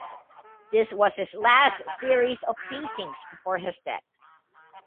This was his last series of paintings before his death.